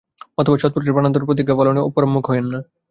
অথবা সৎপুরুষেরা প্রাণান্তেও প্রতিজ্ঞাপ্রতিপালনে পরাঙ্মুখ হয়েন না।